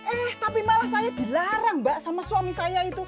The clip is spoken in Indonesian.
eh tapi malah saya dilarang mbak sama suami saya itu